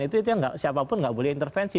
itu yang siapapun nggak boleh intervensi